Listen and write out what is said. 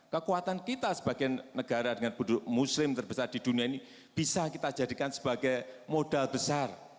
kekuatan kita sebagai negara dengan buduk muslim terbesar di dunia ini bisa kita jadikan sebagai modal besar